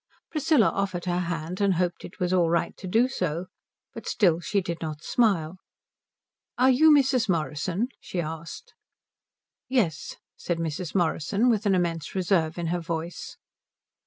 Priscilla offered her hand and hoped it was all right to do so, but still she did not smile. "Are you Mrs. Morrison?" she asked. "Yes," said Mrs. Morrison with an immense reserve in her voice.